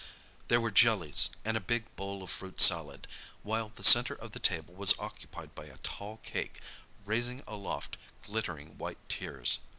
There were jellies, and a big bowl of fruit salad, while the centre of the table was occupied by a tall cake, raising aloft glittering white tiers.